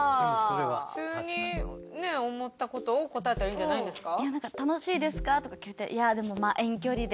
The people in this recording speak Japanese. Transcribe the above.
普通に思った事を答えたらいいんじゃないんですか？